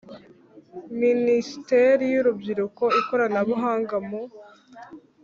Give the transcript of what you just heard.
Minisiteri y Urubyiruko Ikoranabuhanga mu